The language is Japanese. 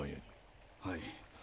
はい。